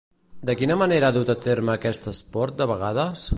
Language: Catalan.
De quina manera ha dut a terme aquest esport de vegades?